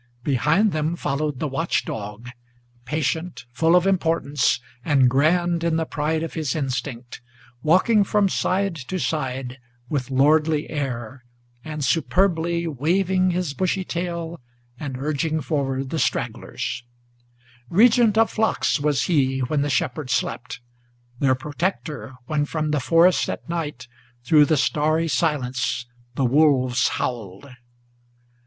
Behind them followed the watch dog, Patient, full of importance, and grand in the pride of his instinct, Walking from side to side with a lordly air, and superbly Waving his bushy tail, and urging forward the stragglers; Regent of flocks was he when the shepherd slept; their protector, When from the forest at night, through the starry silence, the wolves howled.